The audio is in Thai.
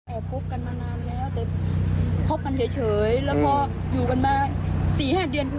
โอ้โห